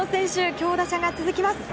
強打者が続きます。